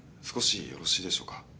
少しよろしいでしょうか？